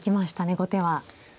後手は。